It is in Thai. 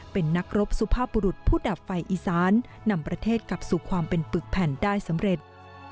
เป็นนักรบสุภาพบุรุษผู้ดับไฟอีสานนำประเทศกลับสู่ความเป็นปึกแผ่นได้สำเร็จ